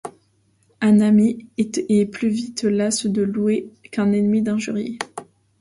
Un ami est plus vite las de louer qu’un ennemi d’injurier.